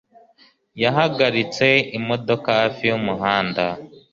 yahagaritse imodoka hafi yumuhanda